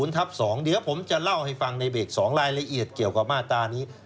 เดี๋ยวผมจะเล่าให้ฟังในเบรก๒รายละเอียดเกี่ยวกับมาตรานี้